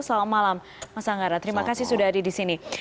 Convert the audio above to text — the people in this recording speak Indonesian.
selamat malam mas anggara terima kasih sudah ada di sini